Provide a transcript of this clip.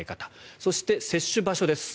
そして接種場所です。